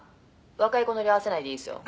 若い子ノリ合わせないでいいですよ」